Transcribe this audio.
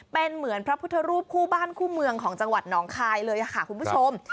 เป็นเหมือนพระพุทธรูปคู่บ้านคู่เมืองของจังหวัดหนองคายเลยค่ะคุณผู้ชม